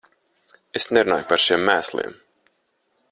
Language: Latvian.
Es nerunāju par šiem mēsliem.